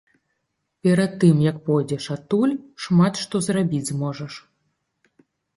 Перад тым, як пойдзеш адтуль, шмат што зрабіць зможаш.